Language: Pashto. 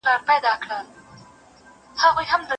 چي نه شرنګ وي د پایلو نه پیالې ډکي له مُلو